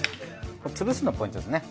潰すのがポイントですね。